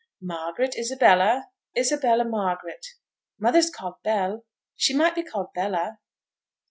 'Margaret Isabella; Isabella Margaret. Mother's called Bell. She might be called Bella.'